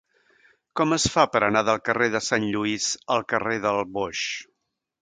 Com es fa per anar del carrer de Sant Lluís al carrer del Boix?